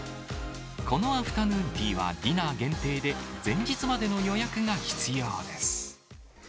このアフタヌーンティーは、ディナー限定で、前日までの予約が必要です。